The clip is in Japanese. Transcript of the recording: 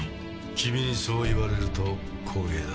君にそう言われると光栄だ。